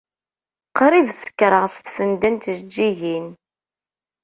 Qrib sekṛeɣ s tfenda n tjeǧǧigin.